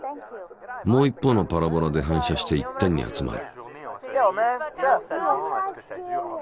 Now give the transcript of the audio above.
もう一方のパラボラで反射して一点に集まる。